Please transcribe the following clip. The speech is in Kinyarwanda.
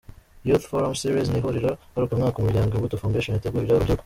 Youth Forum Series ni ihuriro ngarukamwaka umuryango Imbuto Foundation utegurira urubyiruko.